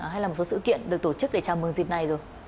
hay là một số sự kiện được tổ chức để chào mừng dịp này rồi